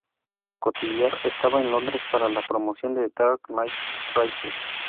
Cotillard estaba en Londres para la promoción de "The Dark Knight Rises".